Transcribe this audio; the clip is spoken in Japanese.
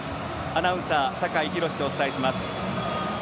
アナウンサー、酒井博司でお伝えします。